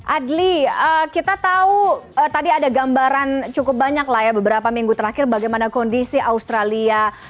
adli kita tahu tadi ada gambaran cukup banyak lah ya beberapa minggu terakhir bagaimana kondisi australia